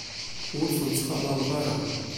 Ur ten-ttxalaḍeɣ ara.